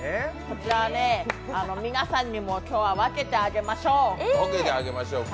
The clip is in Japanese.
こちらは皆さんにも今日は分けてあげましょう。